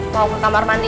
mau ke kamar mandi